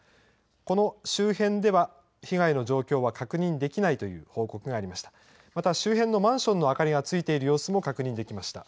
この周辺では、被害の状況は確認できないという報告がありました。